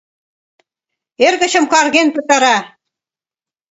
Эргычым карген пытара!